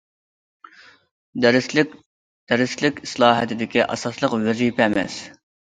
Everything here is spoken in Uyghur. دەرسلىك دەرسلىك ئىسلاھاتىدىكى ئاساسلىق ۋەزىپە ئەمەس.